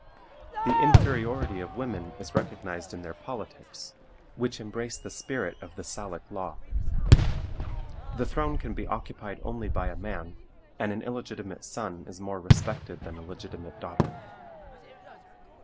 The inferiority of women is recognized in their politics, which embrace the spirit of the Salic law. The throne can be occupied only by a man, and an illegitimate son is more respected than a legitimate daughter.